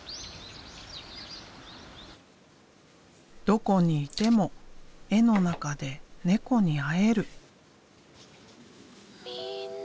どこにいても絵の中で猫に会える。